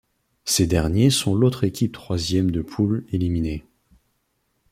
Ces derniers sont l'autre équipe troisième de poule éliminée.